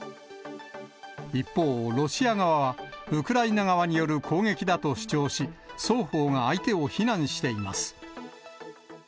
一方、ロシア側はウクライナ側による攻撃だと主張し、双方が相手を非難しています。